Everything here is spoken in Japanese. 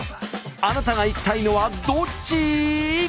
あなたが行きたいのはどっち？